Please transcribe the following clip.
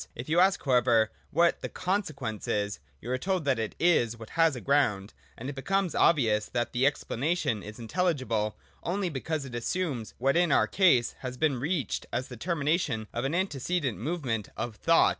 If you ask however what the consequence is, you are told that it is what has a ground ; and it becomes obvious that the expla nation is inteUigible only because it assumes what in our case has been reached as the termination of an antecedent movement of thought.